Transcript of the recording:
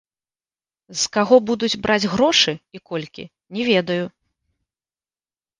З каго будуць браць грошы і колькі, не ведаю.